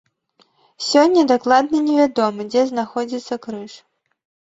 Сёння дакладна не вядома, дзе знаходзіцца крыж.